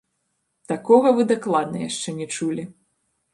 Такога вы дакладна яшчэ не чулі!